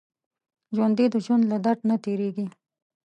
ژوندي د ژوند له درد نه تېرېږي